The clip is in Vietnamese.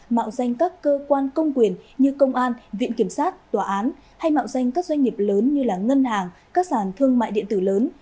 mạo danh các cơ quan công quyền như công an viện kiểm sát tòa án hay mạo danh các doanh nghiệp lớn như ngân hàng các sản thương mại điện tử lớn